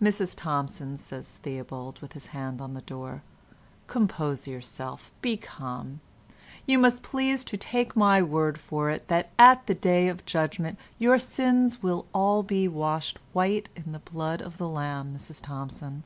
"Mrs Thompson," says Theobald, with his hand on the door, "compose yourself, be calm; you must please to take my word for it that at the Day of Judgement your sins will be all washed white in the blood of the Lamb, Mrs Thompson.